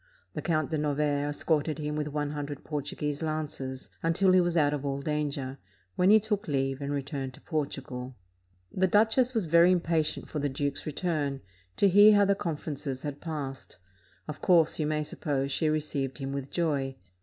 The Count de Novaire escorted him with one hundred Portuguese lances, until he was out of all danger, when he took leave and returned to Portugal. The duchess was very impatient for the duke's return, to hear how the conferences had passed; of course, you may suppose, she received him with joy.